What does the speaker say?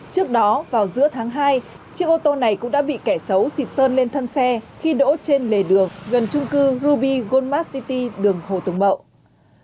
trước đó vào giữa tháng hai chiếc ô tô này cũng đã bị kẻ xấu xịt sơn lên thân xe khi đỗ trên lề đường gần trung cư ruby goldmart city đường hồ tùng mậu